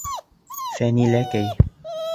Фәниләкәй!